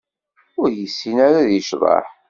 Ur yessin ara ad yecḍeḥ.